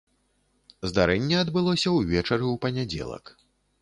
Здарэнне адбылося ўвечары ў панядзелак.